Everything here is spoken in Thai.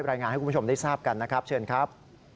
รายงานให้คุณผู้ชมได้ทราบกันนะครับเชิญครับ